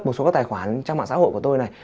một số các tài khoản trong mạng xã hội của tôi này